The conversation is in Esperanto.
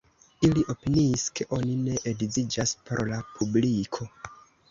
Ili opiniis, ke oni ne edziĝas por la publiko.